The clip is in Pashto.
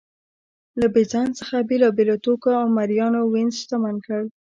له بېزانس څخه بېلابېلو توکو او مریانو وینز شتمن کړ